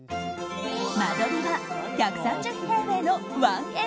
間取りは１３０平米の１ＬＤＫ。